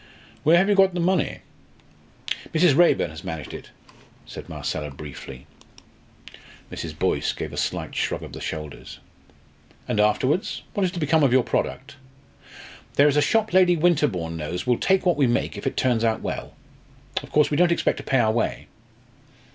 "Where have you got the money?" "Mr. Raeburn has managed it," said Marcella, briefly. Mrs. Boyce gave a slight shrug of the shoulders. "And afterwards what is to become of your product?" "There is a London shop Lady Winterbourne knows will take what we make if it turns out well. Of course, we don't expect to pay our way."